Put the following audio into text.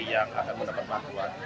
yang akan mendapat bantuan